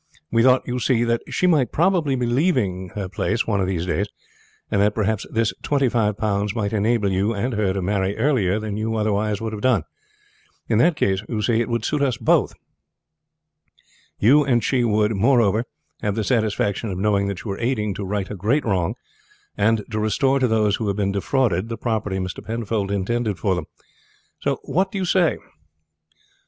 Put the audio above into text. We thought, you see, that she might probably be leaving her place one of these days, and that perhaps this twenty five pounds might enable you and her to marry earlier than you otherwise would have done. In that case, you see, it would suit us all. You and she would, moreover, have the satisfaction of knowing that you were aiding to right a great wrong, and to restore to those who have been defrauded the property Mr. Penfold intended for them. What do you say?"